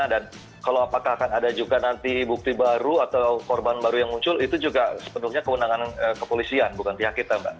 dan kalau apakah akan ada juga nanti bukti baru atau korban baru yang muncul itu juga sepenuhnya keunangan kepolisian bukan pihak kita mbak